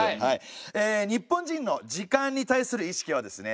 え日本人の時間に対する意識はですね